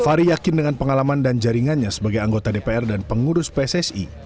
fahri yakin dengan pengalaman dan jaringannya sebagai anggota dpr dan pengurus pssi